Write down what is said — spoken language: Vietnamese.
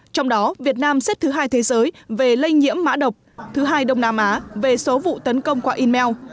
trong đó việt nam xếp thứ hai thế giới về lây nhiễm mã độc thứ hai đông nam á về số vụ tấn công qua email